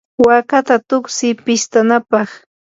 waakata tuksiy pistanapaq.